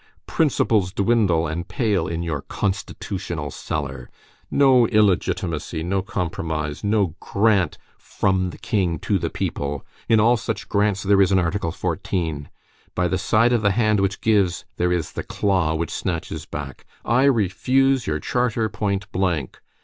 Principles dwindle and pale in your constitutional cellar. No illegitimacy, no compromise, no grant from the king to the people. In all such grants there is an Article 14. By the side of the hand which gives there is the claw which snatches back. I refuse your charter point blank.